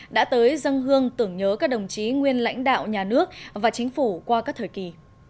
đã tới dân hương tưởng nhớ các đồng chí nguyên lãnh đạo nhà nước và chính phủ qua các thời kỳ